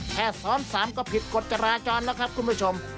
แค่ซ้อน๓ก็ผิดกฎจราจรแล้วครับคุณผู้ชม